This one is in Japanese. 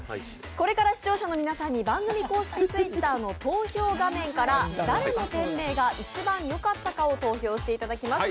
これから視聴者の皆さんに番組Ｔｗｉｔｔｅｒの投票画面から誰の店名が一番よかったかを投票していただきます。